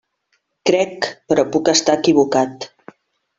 Crec, però puc estar equivocat.